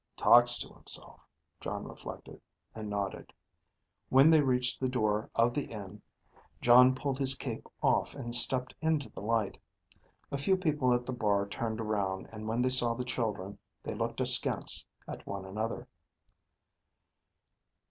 Talks to himself, Jon reflected, and nodded. When they reached the door of the inn, Jon pulled his cape off and stepped into the light. A few people at the bar turned around, and when they saw the children, they looked askance at one another.